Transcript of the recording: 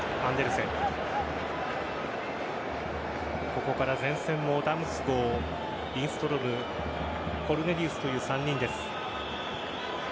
ここから前線をダムスゴーリンストロムコルネリウスという３人です。